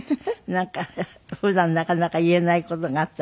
なんか普段なかなか言えない事があったら。